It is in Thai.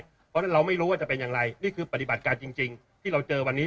เพราะฉะนั้นเราไม่รู้ว่าจะเป็นอย่างไรนี่คือปฏิบัติการจริงที่เราเจอวันนี้